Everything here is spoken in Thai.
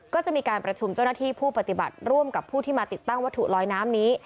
ก็จะมีการประชุมเจ้าหน้าที่ผู้ปฏิบัติร่วมกับผู้ที่มาติดตั้งวัตถุลอยน้ำนี้